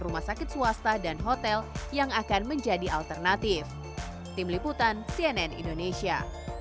rumah sakit swasta dan hotel yang akan menjadi alternatif tim liputan cnn indonesia